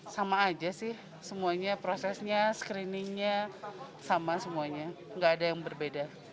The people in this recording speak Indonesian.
sama aja sih semuanya proses nya screening nya sama semuanya enggak ada yang berbeda beda harus